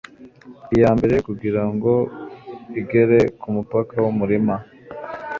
iyambere kugirango igere kumupaka wumurima